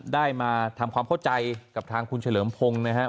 ได้มาทำความเข้าใจกับทางคุณเฉลิมพงศ์นะครับ